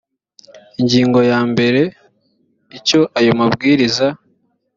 ingingo ya mbere icyo aya mabwiriza